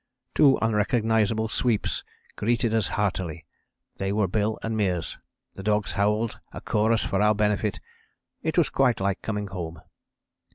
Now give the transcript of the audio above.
Two unrecognizable sweeps greeted us heartily, they were Bill and Meares; the dogs howled a chorus for our benefit; it was quite like coming home.